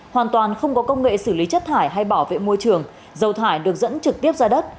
hoàn toàn không có công nghệ xử lý chất thải hay bảo vệ môi trường dầu thải được dẫn trực tiếp ra đất